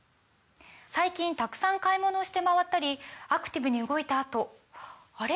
最近たくさん買い物をして回ったりアクティブに動いたあとあれ？